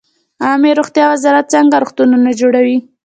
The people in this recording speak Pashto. عامې روغتیا وزارت څنګه روغتونونه جوړوي؟